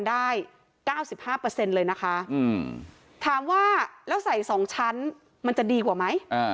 ได้๙๕เลยนะคะถามว่าแล้วใส่๒ชั้นมันจะดีกว่าไหม